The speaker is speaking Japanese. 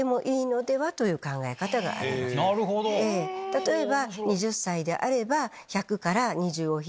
例えば。